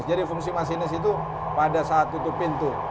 jadi fungsi masinis itu pada saat tutup pintu